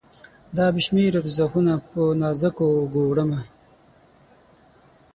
دا بې شمیره دوږخونه په نازکو اوږو، وړمه